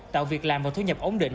tạo việc làm một thu nhập ổn định